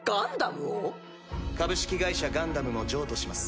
「株式会社ガンダム」も譲渡します。